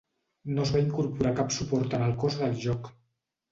No es va incorporar cap suport en el cos del joc.